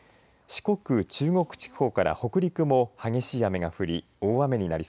四国、中国地方から北陸も激しい雨が降り